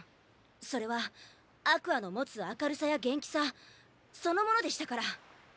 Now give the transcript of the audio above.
それはＡｑｏｕｒｓの持つ明るさや元気さそのものでしたから。